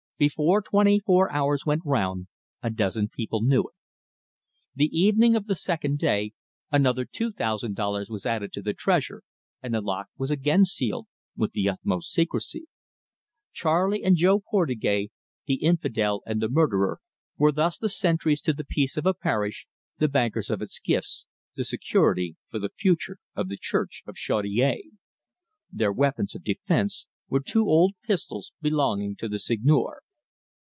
Before twenty four hours went round, a dozen people knew it. The evening of the second day, another two thousand dollars was added to the treasure, and the lock was again sealed with the utmost secrecy. Charley and Jo Portugais, the infidel and the murderer, were thus the sentries to the peace of a parish, the bankers of its gifts, the security for the future of the church of Chaudiere. Their weapons of defence were two old pistols belonging to the Seigneur.